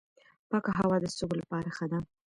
پاکه هوا د سږو لپاره ښه ده.